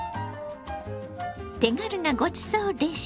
手軽なごちそうレシピ。